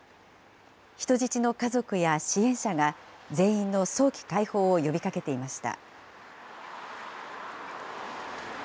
人質の家族や支援者が全員の早期解放を呼びかけていました。